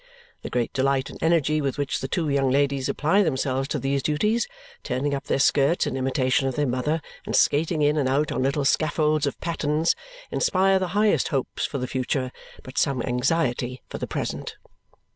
The great delight and energy with which the two young ladies apply themselves to these duties, turning up their skirts in imitation of their mother and skating in and out on little scaffolds of pattens, inspire the highest hopes for the future, but some anxiety for the present.